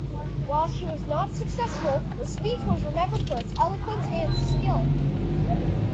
While she was not successful, her speech was remembered for its eloquence and skill.